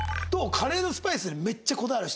カレーのスパイスにめっちゃこだわる人。